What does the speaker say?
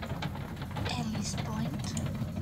Ellis Point.